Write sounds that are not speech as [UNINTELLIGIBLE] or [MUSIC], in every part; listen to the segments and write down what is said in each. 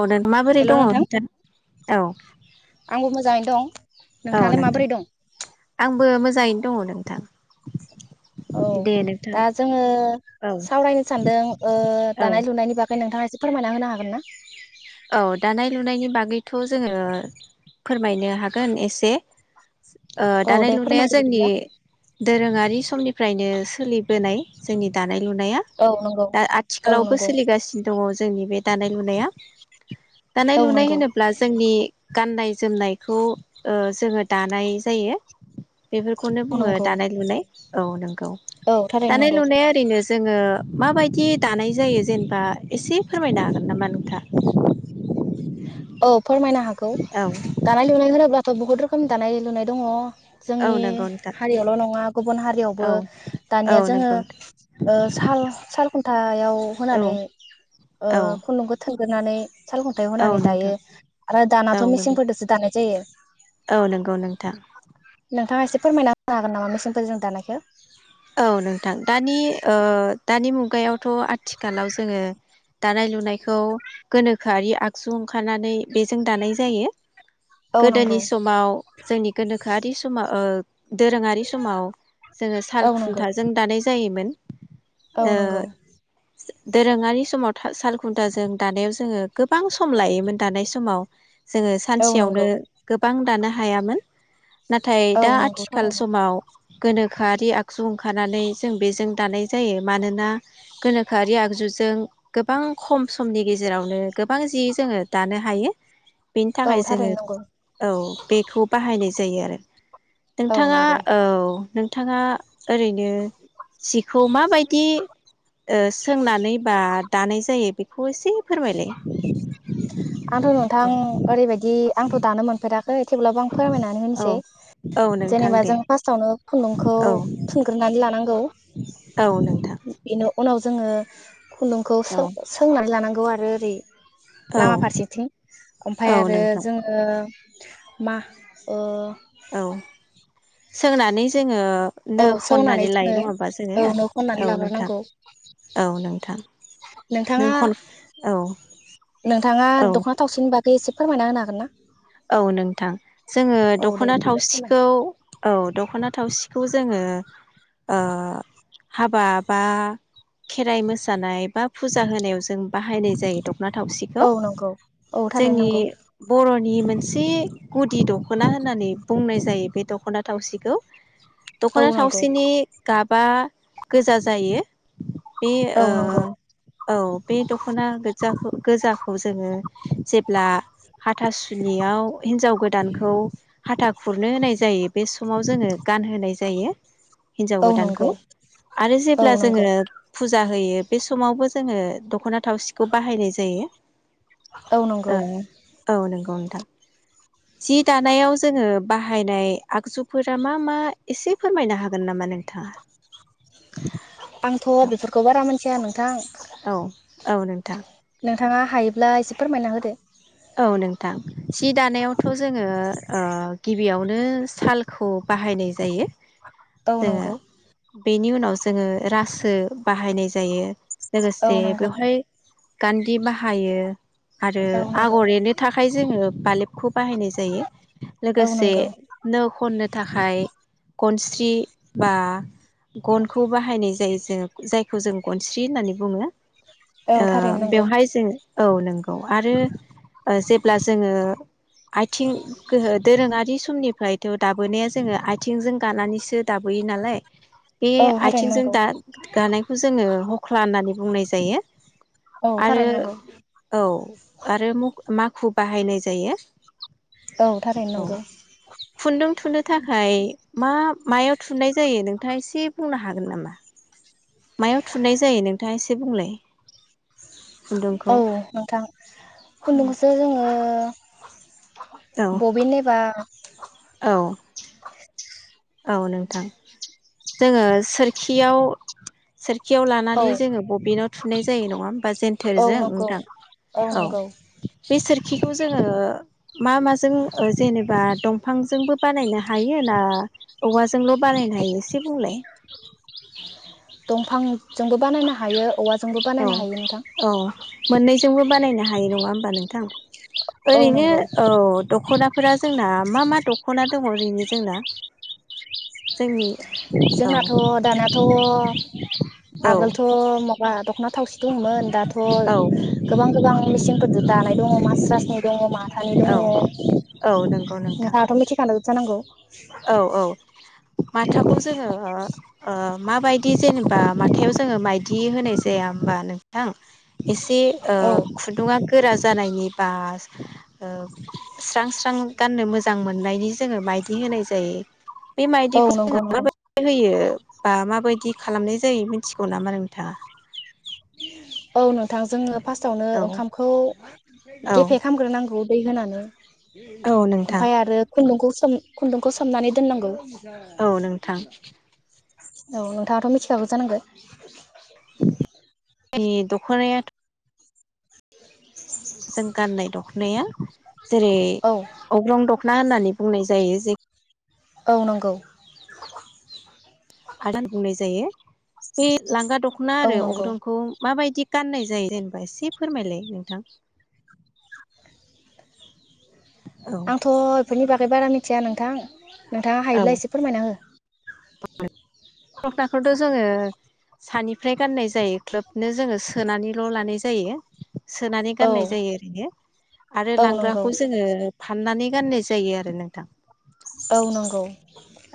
औ दान माबोरै हेल' दङ नोंथां [UNINTELLIGIBLE] औ आंबो मोजाङैनो दं औ नोंथाङालाय नोंथां माबोरै दं आंबो मोजाङैनो दङ नोंथां औ दे नोंथां दा जोङो औ सावरायनो सानदों ओ औ दानाय लुनायनि बागै नोंथाङा एसे फोरमायना होनो हागोन ना औ दानाय लुनायनि बागैथ जोङो फोरमायनो हागोन एसे ओ औ दानाय दे लुनाया फोरमायदो जोंनि बिदिब्ला दोरोङारि [UNINTELLIGIBLE] समनि फ्रायनो सोलिबोनाय जोंनि दानाय लुनाया औ नंगौ दा औ आथिखालावबो नंगौ सोलिगासिनो दङ जोंनि बे दानाय लुनाया दानाय औ लुनाय नंगौ होनोब्ला जोंनि गाननाय जोमनायखौ ओ जोङो दानाय जायो। बेफोरखौनो औ बुङो नंगौ दानाय लुनाय औ नोंगौ औ थारैनो दानाय नंगौ लुनाया ओरैनो जोङो माबायदि दानाय जायो जेनबा एसे फोरमायनो हागोन नामा नोंथा [INAUDIBLE] औ फोरमायनो हागौ औ दानाय लुनाय होनोब्ला थ बहुत रोखोम दानाय लुनाय दङ औ जोंनि नंगौ नोंथां हारियावल' नङा गुबुन हारियावबो औ दानिया औ जोङो नंगौ ओ साल साल खु थायाव अ नोंथां औ होनानै ओ औ खुन्दुंखौ थोन होनानै सालखुन्थायाव औ होनानै दायो नोंथां आरो औ दानाथ' नंगौ मेसेनफोरजोंसो दानाय जायो। [INAUDIBLE] औ नंगौ नोंथां नोंथाङा एसे फोरमायना होनो हागोन नामा मेसेनफोरजों दानायखो औ नोंथां दानि ओ दानि मुगायाव थ' आथिखालाव जोङो दानाय लुनायखौ गोनोखो खारि आगसुं खानानै बेजों दानाय जायो औ नंगौ गोदोनि समाव जोंनि गोनो खोआरि समाव ओ दोरोङारि समाव जों औ नंगौ खुन्थाजों दानाय जायो मोन औ ओ नंगौ दोरोङारि समाव था साल खुन्थाजों दानायाव जोङो गोबां सम लायोमोन दानाय समाव जोङो औ सानसेयावनो नंगौ गोबां दानो हायामोन नाथाय औ दा नंगौ आथिखाल थारैनो समाव गोनोखोआरि आ गजु ओंखारनानै जों बेजों दानाय जायो मानोना गोनोखोआरि आगजुजों गोबां खम समनि गेजेरावनो गोबां जि जोङो दानो हायो। बेनि औ थाखाय जोङो थारैनो नंगौ औ बेखौ बाहायनाय जायो आरो औ नोंथाङा नंगौ औ नों थांङा ओरैनो सिखौ माबायदि ओ सोंनानै बा दानाय जायो बे खौ एसे फोरमायलाय आंथ' नोंथां ओरैबायदि आंथ' दानो मोनफेराखै थेवब्लाबो आं फोरमायनानै औ होनोसै औ नोंथां जेनेबा दे जों फार्स्टआवनो खुन्दुंखौ औ थुनग्रोनानै ला नांगौ औ नोंथां उनाव जोङो खुन्दुंखौ औ सों सोंनानै लानांग ओरै औ लामा फारसेथिं ओफाय औ आरो नोंथां जोङो मा ओ औ सोंनानै जोङो औ नो सोंनानै खननानै लायो जोङो नङा होमबा जोङो औ नो औ खननानै नोंथां लाग्रोनांगौ औ नोंथां नों नोंथाङा खन औ नोंथाङा औ दख'ना थावसिनि बाग गै इसे फोरमायना हानो हागोन ना? औ नोंथां जोङो औ दे दख'ना बिदिब्ला फोरमाय थावसिखौ औ दख'ना थावसि खौ जोङो ओ हाबा बा खेराइ मोसानाय बा फुजा होनायाव जों बाहायनाय जायो दख ना थावसिखौ औ नंगौ औ थारैनो जोंनि नंगौ बर'न [INAUDIBLE] से गुदि दख'ना होननानै बुंनाय जायो बे दख'ना थावसिखौ। औ दख'ना नंगौ थावसिनि गाब बा गोजा जायो। बे औ ओ नंगौ औ बे दख'ना गोदजाखो गोजाखौ जोङो जेब्ला हाथा सु गोदानखौ हाथा खुरनो होनाय जायो बे समाव जोङो गानहोनाय जायो हिनजाव औ गोदानखौ नंगौ आरो औ जेब्ला नंगौ जोङो फुजा होयो बे समावबो जोङो दख'ना थावसिखौ बाहायनाय जायो। औ नंगौ ओ औ नंगौ। [UNINTELLIGIBLE] जि दानायाव जोङो बाहायनाय आगजुफोरा मा मा एसे फोरमायनो हागोन नामा नों? थाङा आं थ' बेफोरखौ बारा मोनथिया नोंथां। औ औ नोंथां। थाङा हायोब्ला इसे फोरमायना होदो। औ नोंथां जि दानायावथ' जोङो ओ गिबियावनो सालखौ बाहायनाय जायो। औ जोङो नंगौ। बेनि उनाव जोङो रासो बाहायनाय जायो। औ लोगोसे नंगौ बेवहाय गान्दि बाहायो। आरो औ नंगौ आगर एरनो थाखाय जोङो बालेबखौ बाहायनाय जायो औ लोगोसे नंगौ नो खननो थाखाय गनस्रि बा गनखौ बाहायनाय जायो जोङो। जायखौ जों गनस्रि होननानै बुङो। औ ओ थारैनो नंगौ बेवहाय जो औ नोंगौ आरो ओ जेब्ला जोङो आथिं गोहो दोरोङारि समनिफ्रायथ' दाबोने जोङो आथिंजों गानानैस [UNINTELLIGIBLE] दाबोयो नालाय बे औ थारैनो आथिंजों नंगौ दा गानायखौ जोङो हख्ला होननानै बुंनाय जायो। औ आरो थारैनो नंगौ औ आरो मुख माखु बाहायनाय जायो। औ थारैनो औ नंगौ खुन्दुं थुनो थाखाय मा मायाव थुनाय जायो नोंथाङा एसे बुंनो हागोन नामा? मायाव थुनाय जायो नोंथाङा एसे बुंलाय। खुन्दुंखौ औ नोंथां औ खुन्दुंखौसो जोङो औ बबिनेबा औ औ नोंथां जोङो सोरखि याव सोर खियाव औ लानानै जोङो बबिनाव थुननाय जायो नङा होमबा औ जेन्थेरजों नंगौ नोंथां औ बे सोरखिखौ जोङो मा माजों जेनेबा दंफांजोंबो बानायनो हायो ना? औवाजोंल' बानायनो हायो एसे बुंलाय। दंफांजोंबो बानायनो हायो औवा औ औ मोननैजोंबो बानायनो हायो नङा होमबा नोंथां। औ ओरैनो नंगौ औ दख'ना फोरा जोंना मा मा दख'ना दङ ओरैनि जोंना जोंनि औ जोंनाथ' दानाथ' औ आगोलथ' मख दख'ना थावसि दंमोन दा थ' औ गोबां गोबां मिचिनफोरदो दानाय दङ मास्रासनि दङ माथ थानि दङ औ औ नंगौ नोंथां नोंथाङाथ' मिथिखा [UNINTELLIGIBLE] जानां [UNINTELLIGIBLE] औ औ। माथाखौ जोङो ओ माबायदि जेनेबा माथायाव जोङो माइदि होनाय जाया होमबा नोंथां। एसे ओ औ खुदुङा गोरा जानायनि बास ओ स्रां स्रां गाननो मोजां मोननायनि जोङो मायदि होनाय बे औ मायदिखौ जों नंगौ नोंथां माबायदि होयो बा माबायदि खालामनाय जायो मिथिगौ नामा नों था औ नो थां जोङो फार्स्टावनो औ ओंखामखौ औ गेफे खामग्रोनांगौ दै होनानो औ नोंथां ओमफाय आरो खुन्दुंखौ सोम खुन्दुंखौ सोमनानै दोननांगौ [UNINTELLIGIBLE] औ नोंथां औ नोंथाङाथ' मिथिखागौ जानांगो इ द'ख'नायाद सोन गाननाय दख'नाया जेरै औ अग्रं द ना होननानै बुंनाय जायो जिग औ नंगौ। आदोन बुंनाय जायो बि लांगोन दख'ना औ आरो नंगौ अग्रंखौ माबायदि गाननाय जायो जेनेबा एसे फोरमायलाय नोंथां। औ आंथ' नोनि बागै बारा मिथिया नोंथां। नोंथाङा औ हायोब्ला एसे फोरमायनाहो। [UNINTELLIGIBLE] [UNINTELLIGIBLE] जोङो सानिफ्राय गाननाय जायो ख्लोबनो जोङो सोनानैल' लानाय जायो सोनानै औ गाननाय जायो ओरैनो आरो औ नंगौ लांग्राखौ जोङो फाननानै गाननाय जायो आरो नोंथा। औ नंगौ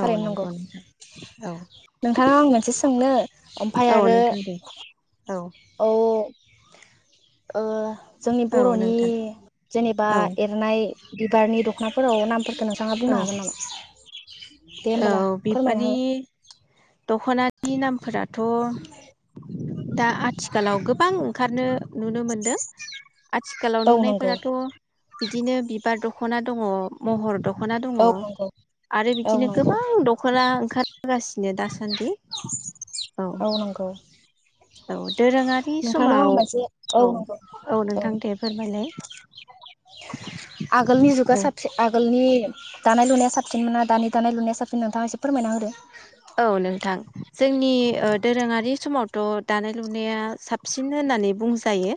थारैनो नांगौ नंगौ नोंथां औ नोंथाङा आं मोनसे सों नो औ नोंथां दे औ। औ औ ओ जोंनि औ बर'नि नोंथां जेनेबा औ एरनाय बिबारनि दख'नाफोराव नामफोरफोरखो नों थाङा औ बुंनो हागोन नामा? [INAUDIBLE] दे औ होमबाल फोरमायना बिबारनि हो दख'नानि नामफोरा थ' दा आथिखालाव गोबां ओंखारनो नुनो मोनदों आथिखालाव औ नंगौ नुनायफोराथ' बिदिनो बिबार दख'ना दङ महर दख दख'ना दङ औ नंगौ आरो बि औ बिदिनो नंगौ गोबां दख'ना ओंखार गासिनो दासान्दि औ नंगौ औ दोरोङारि नोंथांनाव समाव आं मोनसे औ नंगौ औ नोंथां दे फोरमायलाय आगोलनि जुगा साबसिन आगोलनि दानाय लुनाया साबसिन मोना दानि दानाय लुनाया साबसिन नोंथाङा एसे फोरमायना होदो औ नोंथां जोंनि ओ दोरोङारि समावथ' दानाय लुनाया साबसिन होननानै बुंजायो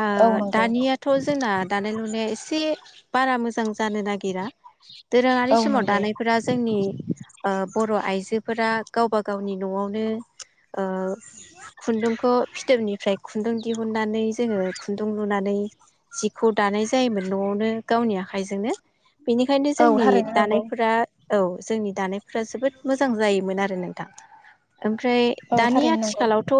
ओ औ नंगौ दानियाथ' जोंना दानाय लुनाया एसे बारा मोजां जानो नागिरा दोरोङारि औ समाव नंगौ दानायफोरा जोंनि ओ बर' आइजो जोफोरा गावबा गावनि न'आवनो ओ खुन्दुंखौ फिथोबनिफ्राय खु खुन्दुं दिहुननानै जोङो खुन्दुं लुनानै जिखौ दानाय जायोमोन न'आवनो गावनि आखाइजोंनो बेनिखायनो औ जोंनि थारैनो नंगौ दानायफोरा औ जोंनि दानायफ्रा जोबोद जायोमोन आरो नोंथां ओमफ्राय औ दानि थारैनो नंगौ आथिखालावथ'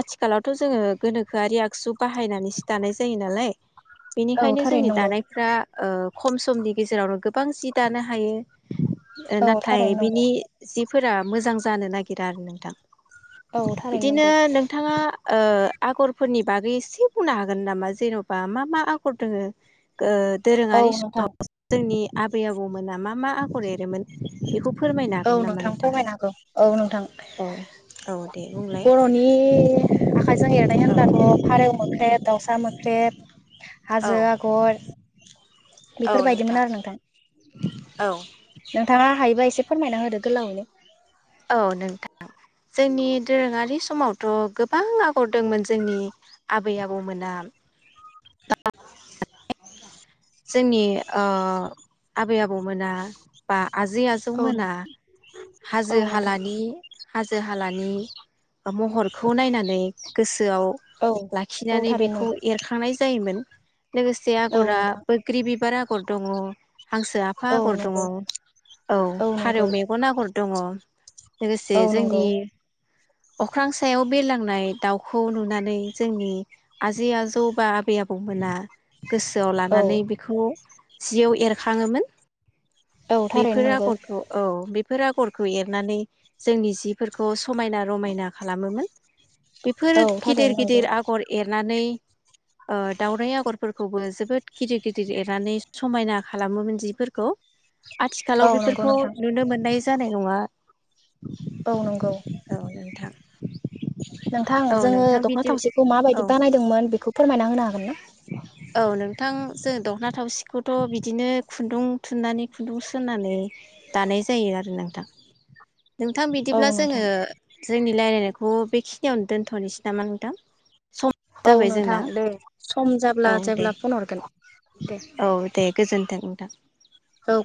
आथिखालावथ' जोङो गोनोखोआरि आगसु बाहायनानै सि दानाय जायो नालाइ औ बेनिखायनो जोंनि थारैनो नंगौ दानायफोरा ओ खम समनि गेजेरावनो गो बां सि दानो हायो। ओ औ नाथाय थारैनो नंगौ बिनि जि फोरा मोजां जानो नागिरा आरो नोंथां औ थारैनो बिदिनो नंगौ नोंथाङा ओ आगरफोरनि बागै एसे बुंनो हागोन नामा जेन'बा मा मा आगर दोङो ओ औ दोरोङारि सि नोंथां जोंनि [UNINTELLIGIBLE] आबै आबौमोना मा मा आगर एरोमोन बेखौ फोरमायनो औ हागोन नामा नोंथां फोरमायनांगौ औ नोंथां औ औ दे बुंलाय बर'नि आखाइजों एरनाय होनब्लाथ' फारौ मोख्रेब दाउसा मोख्रेब औ हाजो आगर बेफोरबायदिमोन आरो नोंथां औ नोंथाङा हायोबाय एसे फोरमायना होदो गोलावैनो औ नोंथां जोंनि दोरोङारि समावथ' गोबां आगर दंमोन जोंनि आबै आबौमोना जोंनि ओ आबै आबौमोना बा आजै आजौ औ मोना औ हाजो नोंथां हालानि हाजो हालानि महरखौ नायनानै गोसो गोसोआव औ औ लाखिनानै थारैनो बेखौ नंगौ एरखांनाय जायोमोन लोगोसे औ आगरा नोंथां बोग्रि बिबार आगर दङ हांसो आफा औ आगर दङ नंगौ औ औ नंगौ फारौ मेगन आगर दङ औ लोगोसे नंगौ जोंनि अख्रां सायाव बेरलांनाय दाउखौ नुनानै जोंनि आजै आजौ बा आबै आबौमोना गोसोआव औ लानानै बेखौ जियाव एरखाङोमोन औ थारैनो बेफोर नंगौ आगरखौ औ बे फोर आगर खौ एरनानै जोंनि जिफोरखौ समायना रमायना खालामोमोन बेफोर औ गिदिर थारैनो नंगौ गिदिर आगर एरनानै ओ दाउराइ आगरफोरखौबो जोबोद गिदिर गिदिर एरनानै समायना खालामोमोन जिफोरखौ औ आथिखालाव नंगौ बेफोरखौ नोंथां नुनो मोननाय जानाय नङा औ नंगौ औ [INAUDIBLE] नोंथां औ जोंङो नोंथां दख'ना बिदि थावसिखौ औ माबायदि बानायदोंमोन बेखौ फोरमायना होनो हागोन ना औ नोंथां जों दख'ना थावसिखौथ' बिदिनो खुन्दुं थुननानै खुन्दुं सोनानै दानाय जायो आरो नोंथां नोंथां औ बिदिब्ला जोङो नोंथां जोंनि रायलायनायखौ बेखिनियावनो दोनथ'नोसै नामा नोंथां सम औ जाबाय नोंथां जोंना दे सम जाब्ला औ दे जेब्ला फन हरगोन दे औ दे गोजोन्थों नोंथां। औ